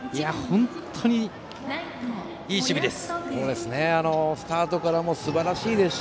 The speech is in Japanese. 本当にいい守備です。